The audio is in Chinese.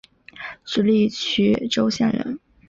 直隶曲周县人。